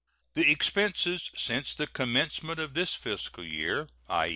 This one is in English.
The expenses since the commencement of this fiscal year i.